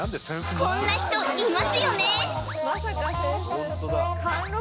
こんな人いますよね